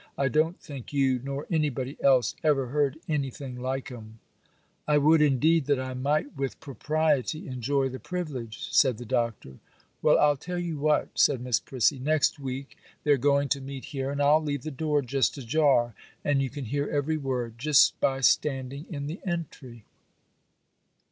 I don't think you nor anybody else ever heard anything like 'em.' 'I would, indeed, that I might with propriety enjoy the privilege,' said the Doctor. 'Well, I'll tell you what' said Miss Prissy, 'next week they're going to meet here, and I'll leave the door just ajar, and you can hear every word, just by standing in the entry.